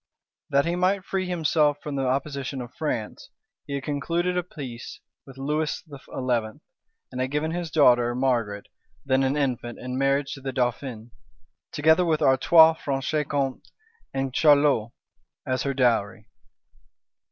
That he might free himself from the opposition of France, he had concluded a peace with Lewis XI., and had given his daughter Margaret, then an infant, in marriage to the dauphin; together with Artois, Franche Compte, and Charolois, as her dowry.